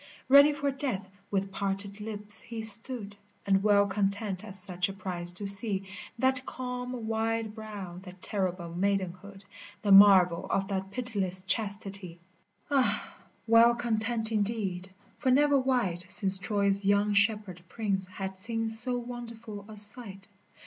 Ready for death with parted lips he stood, And well content at such a price to see That calm wide brow, that terrible maidenhood, The marvel of that pitiless chastity, Ah I well content indeed, for never wight Since Troy's young shepherd prince had seen so won derful a sight.